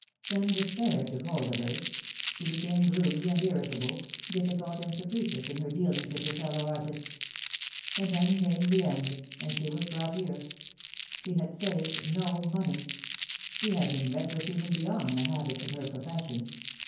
Then despair took hold of her ; she became gloomy and irritable, difficult and capricious in her deal ings with her fellow artists ; and then came the end, and she was brought here. She had saved no money. She had been reckless even beyond the habits of her profession.